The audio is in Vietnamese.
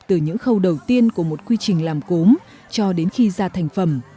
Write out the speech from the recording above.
từ những khâu đầu tiên của một quy trình làm cốm cho đến khi ra thành phẩm